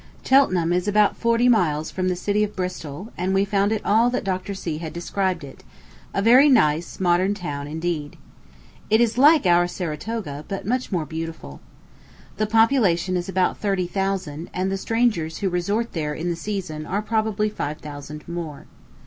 Cheltenham is about forty miles from the city of Bristol, and we found it all that Dr. C. had described it a very nice modern town indeed. It is like our Saratoga, but much more beautiful. The population is about thirty thousand, and the strangers who resort there in the season are probably five thousand more.